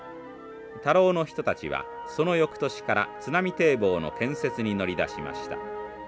田老の人たちはそのよくとしから津波堤防の建設に乗り出しました。